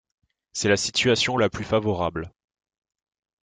C'est la situation la plus favorable.